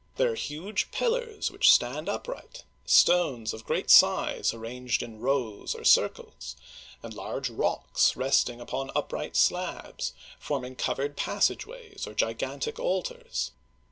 There are huge pillars which stand upright, stones of great size arranged in rows or circles ; and large rocks rest ing upon upright slabs, forming covered passageways or gigantic altars.